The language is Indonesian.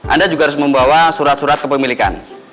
anda juga harus membawa surat surat kepemilikan